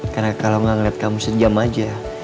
karena kalo gak ngeliat kamu sejam aja